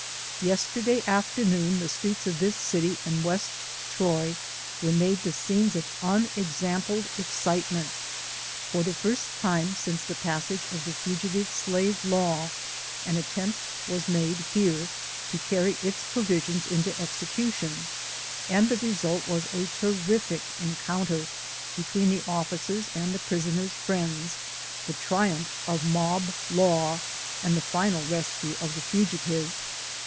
Yesterday afternoon, the streets of this city and West Troy were made the scenes of unexampled excitement. For the first time since the passage of the Fugitive Slave Law, an attempt was made here to carry its provisions into execution, and the result was a terrific encounter between the officers and the prisoner's friends, the triumph of mob law, LIFE OF HARRIET TUBMAN. 93 and the final r:s';ue of the fugitive.